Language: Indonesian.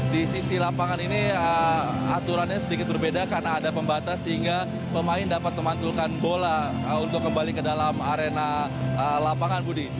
di sisi lapangan ini aturannya sedikit berbeda karena ada pembatas sehingga pemain dapat memantulkan bola untuk kembali ke dalam arena lapangan budi